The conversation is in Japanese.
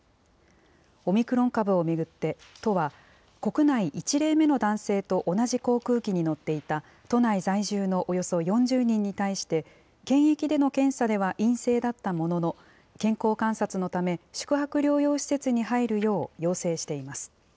オミクロン株を巡って、都は国内１例目の男性と同じ航空機に乗っていた都内在住のおよそ４０人に対して、検疫での検査では陰性だったものの、健康観察のため、宿泊療養施設に入るよう要請しています。